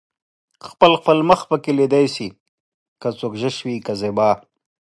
خپل خپل مخ پکې ليده شي که څوک زشت وي که زيبا